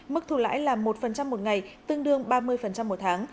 mức thu lãi là một một ngày tương đương ba mươi một tháng